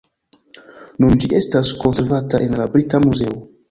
Nun ĝi estas konservata en la Brita Muzeo.